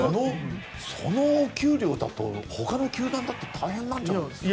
その給料だとほかの球団だって大変なんじゃないですか？